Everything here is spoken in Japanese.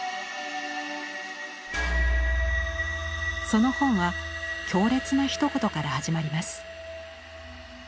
その本は強烈なひと言から始まります。